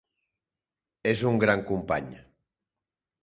És un gran company.